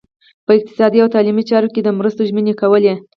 په اقتصادي او تعلیمي چارو کې د مرستو ژمنې کولې.